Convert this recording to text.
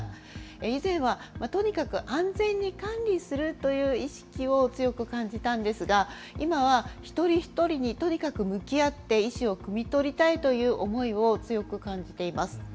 以前は、とにかく安全に管理するという意識を強く感じたんですが、今は、一人一人にとにかく向き合って、意思をくみ取りたいという思いを強く感じています。